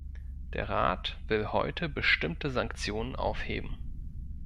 Der Rat will heute bestimmte Sanktionen aufheben.